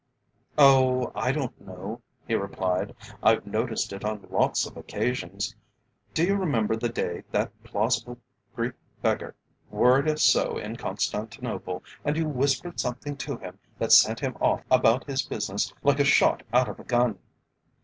"Oh, I don't know," he replied; "I've noticed it on lots of occasions. Do you remember the day that plausible Greek beggar worried us so in Constantinople, and you whispered something to him that sent him off about his business like a shot out of a gun.